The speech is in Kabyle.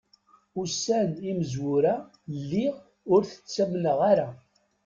Ussan imezwura lliɣ ur t-ttamneɣ ara.